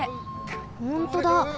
ほんとだ！